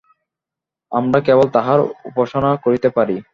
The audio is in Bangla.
আমরা কেবল তাঁহার উপাসনা করিতে পারি।